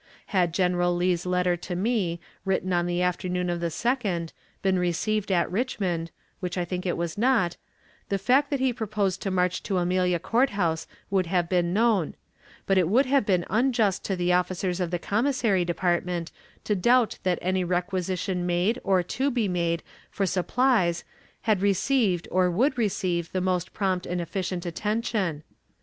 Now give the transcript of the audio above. Had General Lee's letter to me, written on the afternoon of the 2d, been received at Richmond, which I think it was not, the fact that he proposed to march to Amelia Court House would have been known; but it would have been unjust to the officers of the commissary department to doubt that any requisition made or to be made for supplies had received or would receive the most prompt and efficient attention.